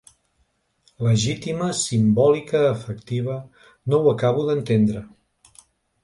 Legítima, simbòlica, efectiva… No ho acabo d’entendre.